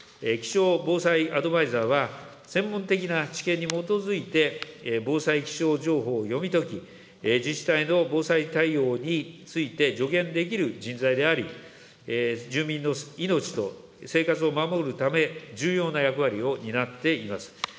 気象防災アドバイザーは、専門的な知見に基づいて、防災気象情報を読み解き、自治体の防災対応について助言できる人材であり、住民の命と生活を守るため、重要な役割を担っています。